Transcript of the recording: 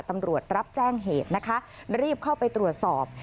ตำรวจรับแจ้งเหตุนะคะรีบเข้าไปตรวจสอบ